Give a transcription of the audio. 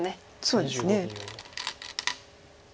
そうですね。